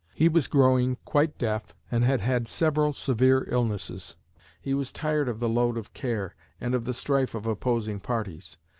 He was growing quite deaf and had had several severe illnesses. He was tired of the load of care, and of the strife of opposing parties.